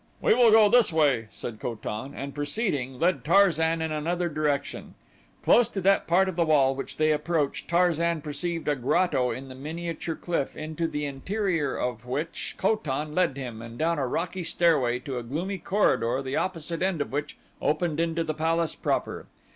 "We will go this way," said Ko tan and preceding, led Tarzan in another direction. Close to that part of the wall which they approached Tarzan perceived a grotto in the miniature cliff into the interior of which Ko tan led him, and down a rocky stairway to a gloomy corridor the opposite end of which opened into the palace proper.